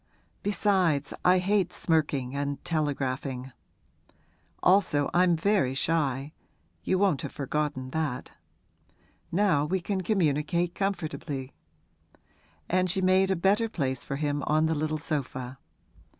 Besides, I hate smirking and telegraphing. Also I'm very shy you won't have forgotten that. Now we can communicate comfortably.' And she made a better place for him on the little sofa.